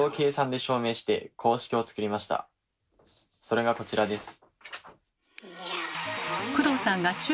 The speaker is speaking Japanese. それがこちらです。